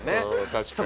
確かに。